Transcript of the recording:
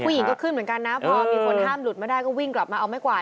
ผู้หญิงก็ขึ้นเหมือนกันนะพอมีคนห้ามหลุดมาได้ก็วิ่งกลับมาเอาไม้กวาด